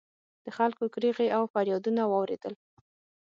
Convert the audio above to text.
د خلکو کریغې او فریادونه واورېدل